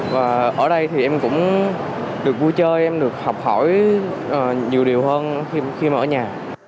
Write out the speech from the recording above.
và ở đây thì em cũng được vui chơi em được học hỏi nhiều điều hơn khi mà ở nhà